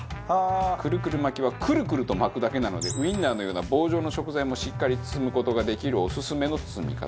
くるくる巻きはくるくると巻くだけなのでウインナーのような棒状の食材もしっかり包む事ができるオススメの包み方。